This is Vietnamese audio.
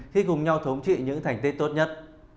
khi cùng nhau thống trị những thành tích tốt nhất